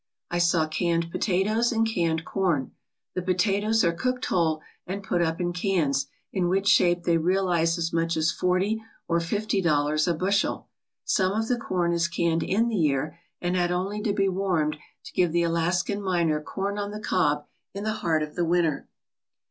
I saw canned potatoes and canned corn. The potatoes are cooked whole and put up in cans, in which shape they realize as much as forty or fifty dollars a bushel. Some of the corn is canned in the ear, and had only to be warmed to give the Alaskan miner corn on the cob in the heart of the winter.